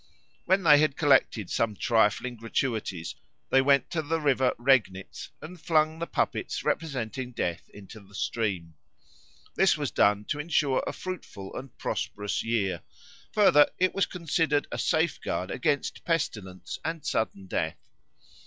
When they had collected some trifling gratuities they went to the river Regnitz and flung the puppets representing Death into the stream. This was done to ensure a fruitful and prosperous year; further, it was considered a safeguard against pestilence and sudden death.